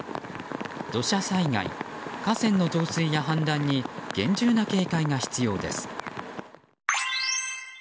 土砂災害、河川の増水や氾濫に厳重な警戒が必要です。